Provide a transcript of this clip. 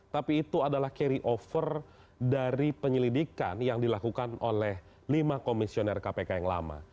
tapi itu adalah carry over dari penyelidikan yang dilakukan oleh lima komisioner kpk yang lama